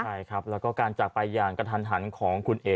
ใช่ครับแล้วก็การจากไปอย่างกระทันหันของคุณเอ๋